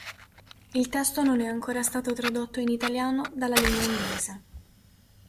Il testo non è ancora stato tradotto in italiano dalla lingua inglese.